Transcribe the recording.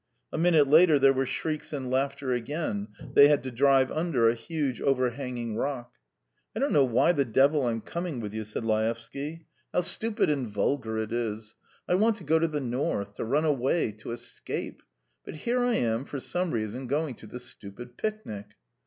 A minute later there were shrieks and laughter again: they had to drive under a huge overhanging rock. "I don't know why the devil I'm coming with you," said Laevsky. "How stupid and vulgar it is! I want to go to the North, to run away, to escape; but here I am, for some reason, going to this stupid picnic."